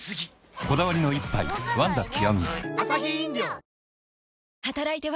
こだわりの一杯「ワンダ極」